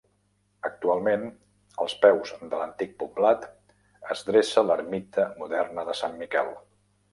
Actualment, als peus de l'antic poblat es dreça l'ermita moderna de Sant Miquel.